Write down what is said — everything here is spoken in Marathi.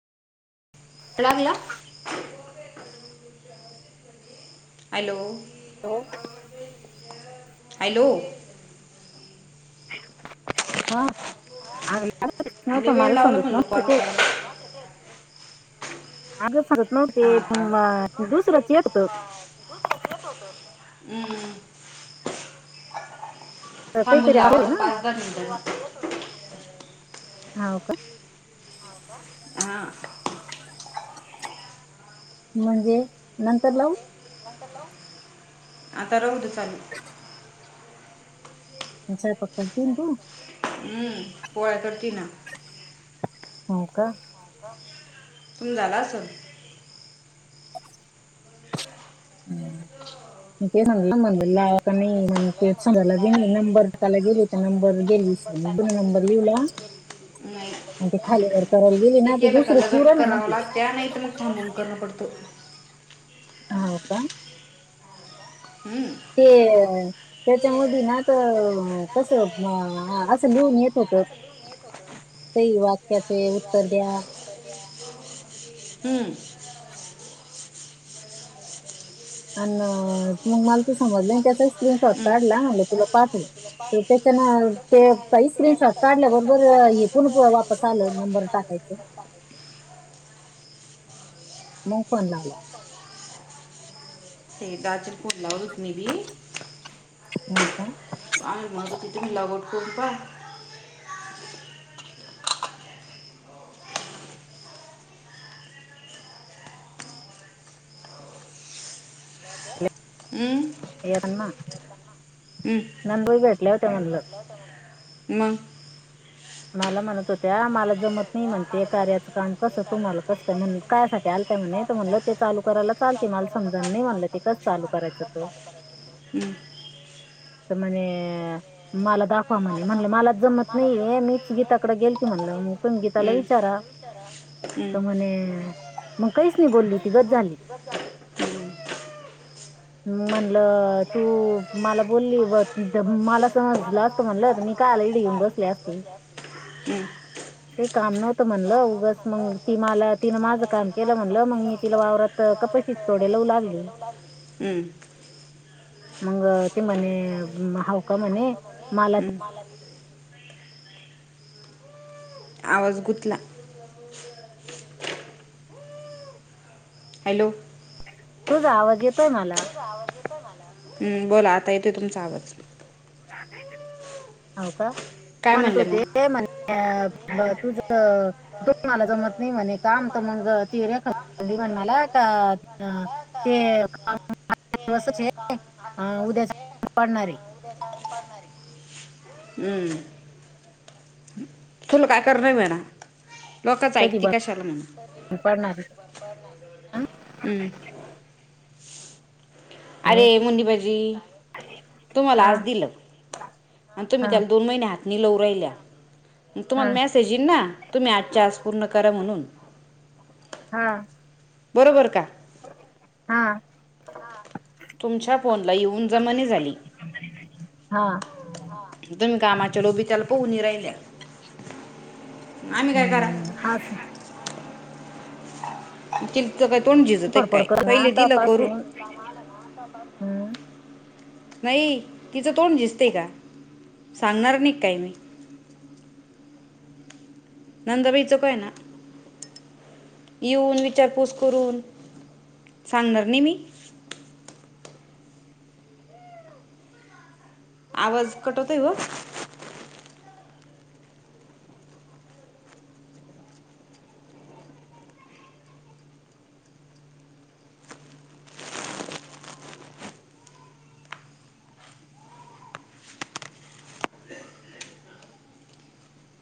लागला? हॅलो. हो हॅलो. हात [inaudible] लय वेळ लावला मलसोत म्हणलं कॉल का करायला माग सरत नव्हते हा दुसर्याची एकत म् तर सांमू लावा तर पाच हजार नि जा हा हो का हा म्हणजे नंतर लावन एटला आता रहत चाल ह सार पच तन तन हम्म प करती ना हो का तुम्ही झाला असल हम म नाहीलाे नंबर ला गेली तर नंबर गेली वि जुन नंबर लिहिला नाही आणि ते खालीवरर करायला गेले ते ना तर दुसरे चिवरा ना थांबवून करणं पडतो ह हो का हम्म ते त्याच्यामध ना आता कसं असं लिहून येत होतं काही वाक्याचे उत्तर द्या हमं अ मग मला ती समजली त्याचा स्क्रीनशॉट हम्म. काढला म्हलं तुला पाठून तर त्याच्यान ते काही स्क्रीनशॉट काढल्या बरोबर हे पण वापस आलं नंबर टाकायच मग पणणारला ते दाजर पटला रत म बी हो का आणि म्हज तिती लगवड करूनपा हमं या पण ना हमं नन बई भेटलेवते म्ह म्ल मग मला म्हणत होत्या मला जमत नाही म्हणते कार्याचं काम कसं तुमला कसंय म्हण काय सासाठी आल त्याय म्हणे तर म्हणलं ते चालू करायला चालते मला समजाण नाही म्हणलं ते कस चालू करायचं त हम्म तर म्हणे मला दाखवा म्हणे म्हणलं मला जमत नाहीे मी गीताकडे गेल त म्हणलं मग तुम्हीीताला हम्म, विचारा हम्म तर म्हणे मग काहीच नाही बोलली ती गच झाली हम्म, [inaudible] म्हणल तू मला बोलली, मला समजला, म्हणलं तर मी काल इडी येऊन बसले असती ते, हम्म. ते काम नव्हतं म्हणलं उगस मग, ती मला तिनं माझं काम केलं म्हणलं मग मी तिला वावरात कपाशी तोडे लावू लागली, हम्म, मग ते म्हणे हवका म्हणे मला, मला [unintelligible] आवाज गुंतला, हॅलो? तुझ आवाज येतोय मला, हम्म बोला आता येतोय तुमचा आवाज, हो का काय म्हणत म्हणले मग होते म्ह तुझ, तू मला जमत नाही म्हणे काम तर मग ती रेखाबोली, तिऱ्याली म्हण मला का ते दिवस हे [unintelligible] अ उद्या पडणारे, [unintelligible] हम्म तुला का कर नाही म्हणा, लोकच कधी ऐकती बंद कशाला म्हणून पडणार आहे हम्, अरे आम्ही मुीणी, बाजी तुम्हाला हा आज दिलं. आणि हा तुम्ही त्याला, दोन महिने हात नाही लवूराहिल्या, मग हा तुम्हाला मेसेज येईल ना, तुम्ही आजच्या आज पूर्ण करा म्हणून, हा, बरोबर का? हा, तुमच्या फोनला येऊन जमानी झाली, हा [unintelligible] तुम्ही कामाच्या लोभी त्याला पोहणी राहिल्या, हा स, ति का तोंड [unintelligible] एक फडफड काय कर ना पहिले दिलं करून, [unintelligible] हम्म नाही तिचं तोंड दिसते का, सांगणार नाही काय मी, नंदाबाईचं काय ना, येऊन विचारपूस करून सांगणार नाही मी, आवाज कट होतंय ग,